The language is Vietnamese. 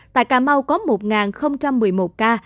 tại cà mau có một ca